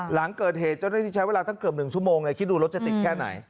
หลังเกิดเหตุจะได้ใช้เวลาทั้งเกือบหนึ่งชั่วโมงคิดดูรถจะติดแก้ไหน